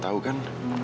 lo tau kan